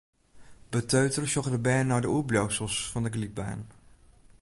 Beteutere sjogge de bern nei de oerbliuwsels fan de glydbaan.